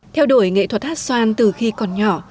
theo đuổi nghệ thuật hát xoan từ khi còn nhỏ